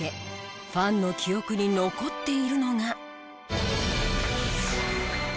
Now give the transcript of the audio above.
ファンの記憶に残っているのが。